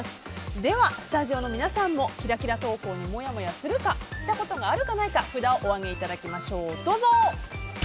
では、スタジオの皆さんもキラキラ投稿にもやもやするかしたことがあるか、ないか札をお上げいただきましょう。